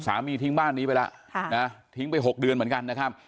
สามีทิ้งบ้านนี้ไปแล้วค่ะนะฮะทิ้งไปหกเดือนเหมือนกันนะครับ